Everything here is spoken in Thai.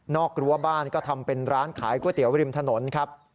กรั้วบ้านก็ทำเป็นร้านขายก๋วยเตี๋ยวริมถนนครับ